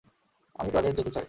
আমি টয়লেট যেতে চাই।